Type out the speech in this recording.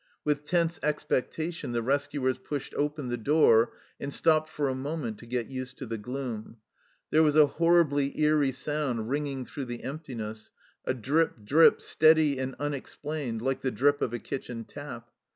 With tense expectation the rescuers pushed open the door, and stopped for a moment to get used to the gloom ; there was a horribly eerie sound ringing through the emptiness, a drip, drip, steady and unexplained, like the drip of a kitchen tap.